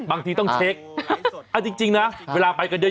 บางทีต้องเช็คเอาจริงนะเวลาไปกันเยอะ